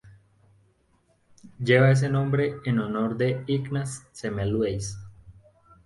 Lleva ese nombre en honor de Ignaz Semmelweis.